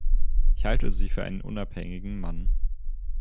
Ich halte Sie für einen unabhängigen Mann.